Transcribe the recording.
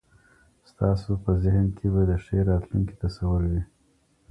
ستاسو په ذهن کي به د ښې راتلونکي تصور وي.